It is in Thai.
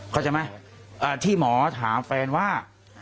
เข้าใจไหมที่หมอถามแฟนว่า